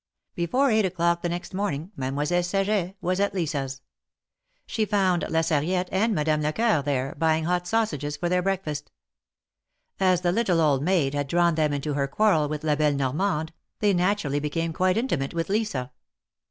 " Before eight o^clock the next morning Mademoiselle Saget was at Lisa^s. She found La Sarriette and Madame Lecoeur there, buying hot sausages for their breakfast. As the little old maid had drawn them into her quarrel with La belle Normande, they naturally became quite intimate with Lisa.